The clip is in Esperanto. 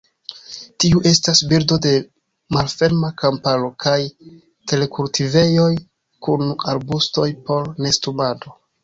Tiu estas birdo de malferma kamparo kaj terkultivejoj, kun arbustoj por nestumado.